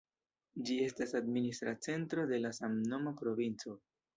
Ĝi estas administra centro de la samnoma provinco.